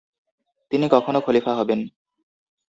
তিনি কখনো খলিফা হবেন।